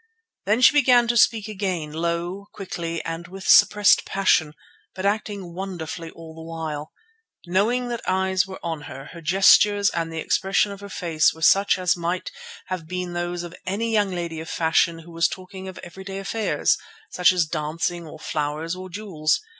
Then she began to speak again, low, quickly, and with suppressed passion, but acting wonderfully all the while. Knowing that eyes were on her, her gestures and the expression of her face were such as might have been those of any young lady of fashion who was talking of everyday affairs, such as dancing, or flowers, or jewels.